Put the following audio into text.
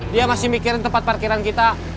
dia masih mikirin tempat parkiran kita